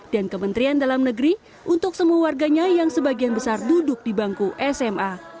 dan kementerian dalam negeri untuk semua warganya yang sebagian besar duduk di bangku sma